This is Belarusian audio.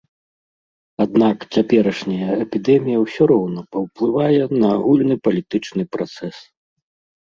Аднак цяперашняя эпідэмія ўсё роўна паўплывае на агульны палітычны працэс.